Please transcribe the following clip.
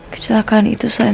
kecelakaan itu selain